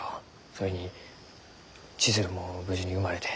それに千鶴も無事に生まれて。